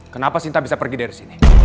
kenapa sinta bisa pergi dari sini